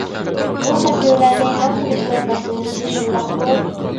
بۇ مەسىلىلەرنى ھەل قىلىشنىڭ باشلىنىشى، شۇنداققۇ.